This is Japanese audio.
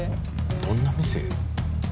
どんな店？